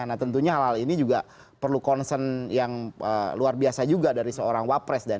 nah tentunya hal hal ini juga perlu concern yang luar biasa juga dari seorang wapres